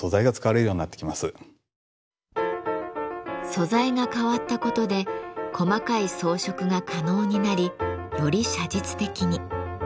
素材が変わったことで細かい装飾が可能になりより写実的に。